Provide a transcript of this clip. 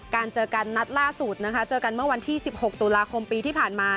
เจอกันนัดล่าสุดนะคะเจอกันเมื่อวันที่๑๖ตุลาคมปีที่ผ่านมา